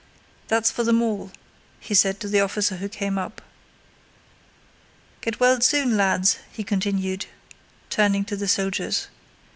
"That's for them all," he said to the officer who came up. "Get well soon, lads!" he continued, turning to the soldiers.